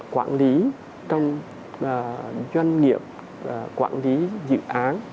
quản lý trong doanh nghiệp quản lý dự án